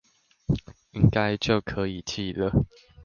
應該就可以寄了